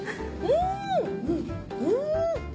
うん！